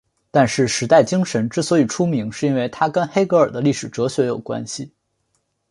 但是时代精神之所以出名是因为它跟黑格尔的历史哲学有关系。